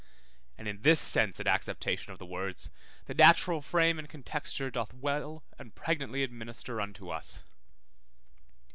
And in this sense and acceptation of the words, the natural frame and contexture doth well and pregnantly administer unto us.